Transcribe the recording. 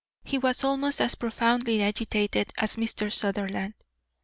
He was almost as profoundly agitated as Mr. Sutherland.